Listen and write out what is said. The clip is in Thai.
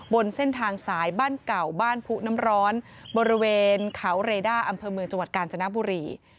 บนเส้นทางสายบ้านเก่าบ้านผู้น้ำร้อนบริเวณเขาเรด้าอำเภอเมืองจังหวัดกาญจนบุรี